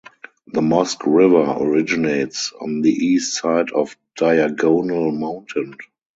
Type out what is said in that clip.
The Mosque River originates on the east side of Diagonal Mountain.